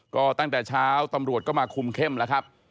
ก็ตั้งแต่เช้าตำรวจก็มาคุมเข้มแล้วครับ